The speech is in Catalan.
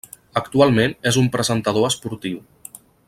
Actualment és un presentador esportiu.